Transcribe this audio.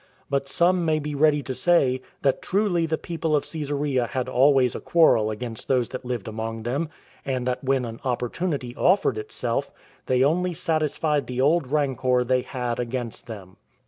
But some may be ready to say, that truly the people of Cesarea had always a quarrel against those that lived among them, and that when an opportunity offered itself, they only satisfied the old rancor they had against them.